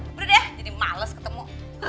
aduh deh jadi males ketemu